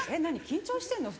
緊張してんの？